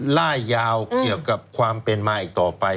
ล่ายยาวเกี่ยวกับความเป็นมาอีกต่อไป